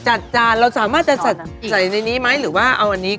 จานเราสามารถจะใส่ในนี้ไหมหรือว่าเอาอันนี้